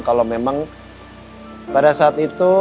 kalau memang pada saat itu